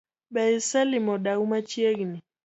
Be iselimo dau machiegni?